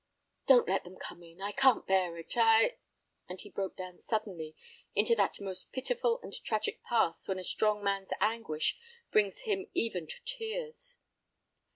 "Don't let them come in. I can't bear it. I—" and he broke down suddenly into that most pitiful and tragic pass when a strong man's anguish brings him even to tears.